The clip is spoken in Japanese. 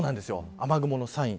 雨雲のサイン。